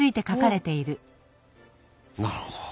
なるほど。